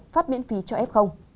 phát miễn phí cho f